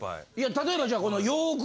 例えばじゃあこの。